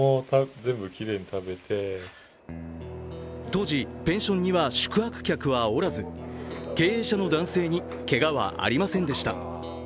当時、ペンションには宿泊客はおらず経営者の男性にけがはありませんでした。